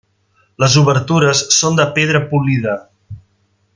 Les obertures són de pedra polida.